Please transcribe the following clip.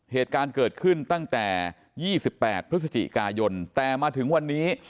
เหตุการณ์เกิดขึ้นตั้งแต่๒๘พฤศจิกายนแต่มาถึงวันนี้